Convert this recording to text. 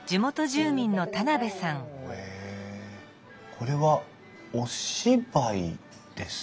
これはお芝居ですか？